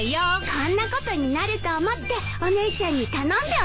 こんなことになると思ってお姉ちゃんに頼んでおいたの。